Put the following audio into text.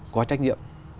có trách nhiệm